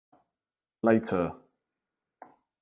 Later.